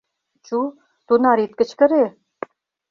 Чу, тунар ит кычкыре.